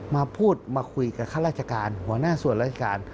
มาพูดมาคุยกับข้าราชการหัวหน้าส่วนราชการ